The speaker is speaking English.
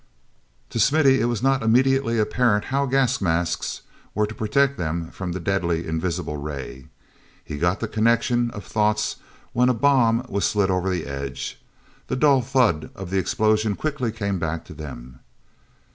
To Smithy it was not immediately apparent how gas masks were to protect them from the deadly invisible ray. He got the connection of thoughts when a bomb was slid over the edge. The dull thud of the explosion quickly came back to them.